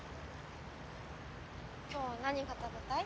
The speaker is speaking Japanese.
今日何が食べたい？